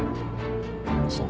そう。